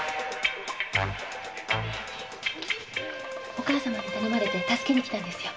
お母様に頼まれて助けに来たんですよ。